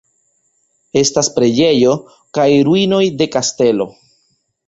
Estas preĝejo kaj ruinoj de kastelo.